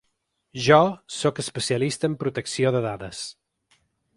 Jo sóc especialista en protecció de dades.